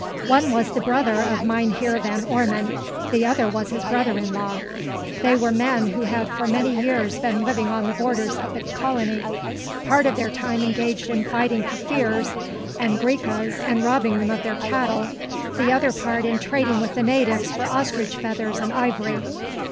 One was the brother of Mynheer Van Ormon, the other was his brother in law. They were men who had for many years been living on the borders of the colony, part of their time engaged in fighting Kaffirs and Griquas, and robbing them of their cattle, the other part in trading with the natives for ostrich feathers and ivory.